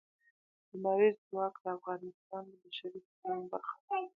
لمریز ځواک د افغانستان د بشري فرهنګ برخه ده.